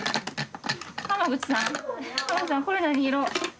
口さん口さんこれ何色？